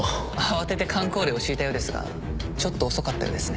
慌ててかん口令を敷いたようですがちょっと遅かったようですね。